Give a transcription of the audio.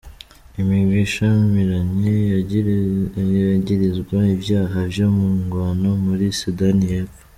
Imigwi ishamiranye yagirizwa ivyaha vyo mu ngwano muri Sudani Yepfo.